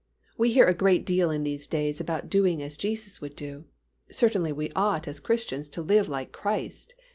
We hear a great deal in these days about doing as Jesus would do. Certainly we ought as Christians to live like Christ.